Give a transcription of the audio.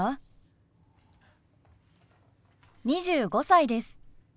２５歳です。